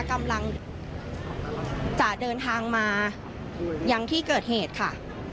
กำลังจะเดินทางมายังที่เกิดเหตุค่ะ